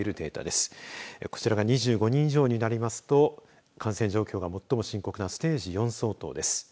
こちらが２５人以上になりますと感染状況が最も深刻なステージ４相当です。